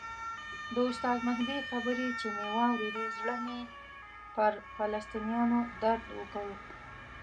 د استاد مهدي خبرې چې مې واورېدې زړه مې پر فلسطینیانو درد وکړ.